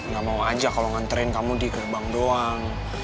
gak mau ajar kalau nganterin kamu di gelbang doang